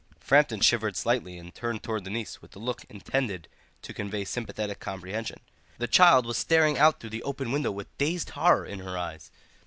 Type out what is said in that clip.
Framton shivered slightly and turned towards the niece with a look intended to convey sympathetic comprehension. The child was staring out through the open window with dazed horror in her eyes.